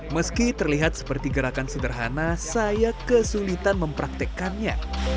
meski terlihat seperti gerakan sederhana saya kesulitan mempraktekkannya